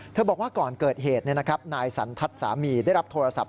เธอบอกว่าก่อนเกิดเหตุเนี่ยนะครับนายสันทัศน์สามีได้รับโทรศัพท์